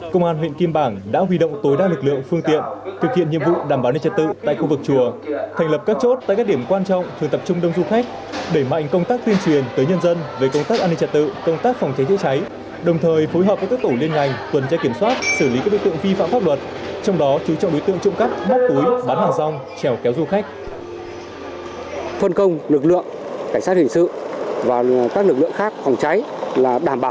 công an huyện kim bảng đã huy động tối đa lực lượng phương tiện thực hiện nhiệm vụ đảm bảo an ninh trật tự tại khu vực chùa thành lập các chốt tại các điểm quan trọng thường tập trung đông du khách để mạnh công tác tuyên truyền tới nhân dân về công tác an ninh trật tự công tác phòng cháy chữa cháy đồng thời phối hợp với các tổ liên ngành tuần trai kiểm soát xử lý các đối tượng vi phạm pháp luật trong đó chú trọng đối tượng trụng cấp bắt túi bán hàng rong trèo kéo du khách